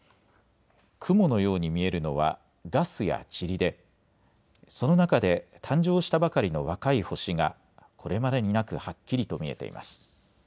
雲のように見えるのはガスやちりで、その中で誕生したばかりの若い星がこれまでになくはっきりと見えています。